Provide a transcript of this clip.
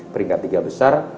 peringkat tiga besar